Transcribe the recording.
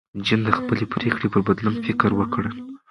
جین د خپلې پرېکړې پر بدلون فکر وکړ.